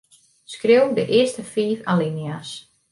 Skriuw de earste fiif alinea's.